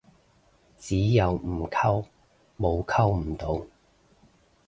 只有唔溝，冇溝唔到